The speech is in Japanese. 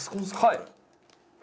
はい。